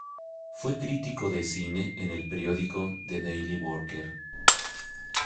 Fue crítico de cine en el periódico "The Daily Worker".